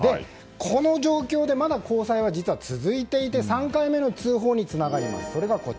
この状況で交際はまだ続いていて３回目の通報につながります。